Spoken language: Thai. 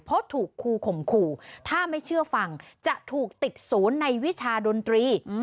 เพราะถูกครูข่มขู่ถ้าไม่เชื่อฟังจะถูกติดศูนย์ในวิชาดนตรี